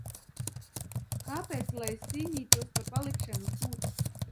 Kāpēc lai es cīnītos par palikšanu tur?